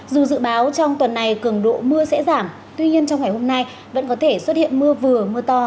dù dự báo trong tuần này cường độ mưa sẽ giảm tuy nhiên trong ngày hôm nay vẫn có thể xuất hiện mưa vừa mưa to